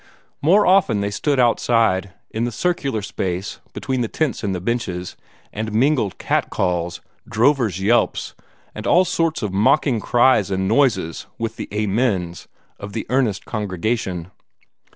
More often they stood outside, in the circular space between the tents and the benches, and mingled cat calls, drovers' yelps, and all sorts of mocking cries and noises with the "Amens" of the earnest congregation.